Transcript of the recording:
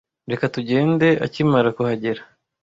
Reka tugende akimara kuhagera.